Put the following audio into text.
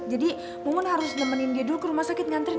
jadi mumun harus nemenin dia dulu ke rumah sakit nganterin